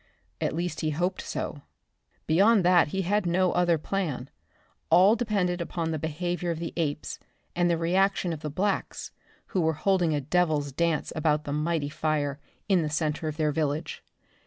At least he hoped so. Beyond that he had no other plan. All depended upon the behavior of the apes and the reaction of the blacks who were holding a devil's dance about the mighty fire in the center of their village.